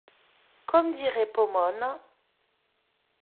Comme qui dirait Pomone…